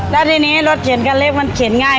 แล้วทีนี้รถเข็นคันเล็กมันเขียนง่าย